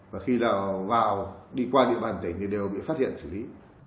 và khi nào vào đi qua địa bàn tỉnh thì đều bị phát hiện xử lý